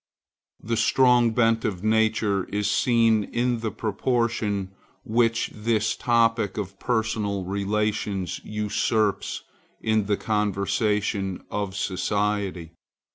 The strong bent of nature is seen in the proportion which this topic of personal relations usurps in the conversation of society.